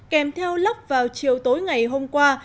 kèm theo lóc vào chiều tối ngày hôm qua